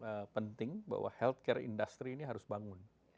yang penting bahwa healthcare industry ini harus bangun